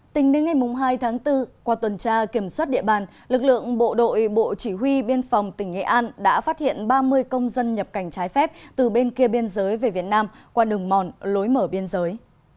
tính đến ngày hai tháng bốn qua tuần tra kiểm soát địa bàn lực lượng bộ đội bộ chỉ huy biên phòng tỉnh nghệ an đã phát hiện ba mươi công dân nhập cảnh trái phép từ bên kia biên giới về việt nam qua đường mòn lối mở biên giới